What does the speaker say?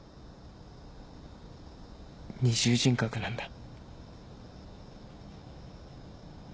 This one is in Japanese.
二重人格なんだ。